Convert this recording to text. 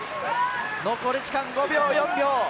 残り時間、５秒、４秒。